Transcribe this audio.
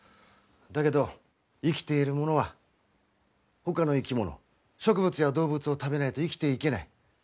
だけど生きているものはほかの生き物植物や動物を食べないと生きていけない。